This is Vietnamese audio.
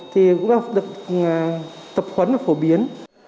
thì cũng được tập khuấn và phổ biến